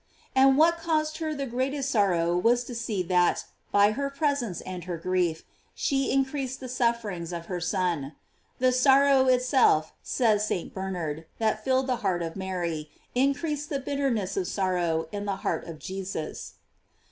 And what caused her the greatest sorrow was to see that, by her presence and her grief, she increased the sufferings of her Son. The sorrow itself, saya St. Bernard, that filled the heart of Mary, in creased the bitterness of sorrow in the heart of Jesus.